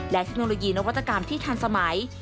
และเทคโนโลยีนวัตกรรมที่ทันสมัย